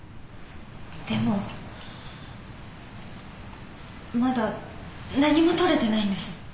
でもまだ何も撮れてないんです。